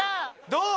どう？